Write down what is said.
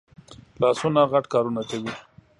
لاسونه غټ کارونه کوي